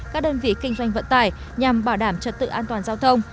các đơn vị kinh doanh vận tải nhằm bảo đảm trật tự an toàn giao thông